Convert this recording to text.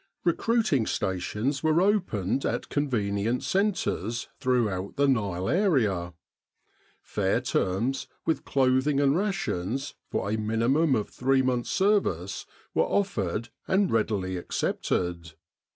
Recruiting stations were opened at convenient centres throughout the Nile area. Fair terms, with clothing and rations, for a minimum of three months' service, were offered and readily accepted.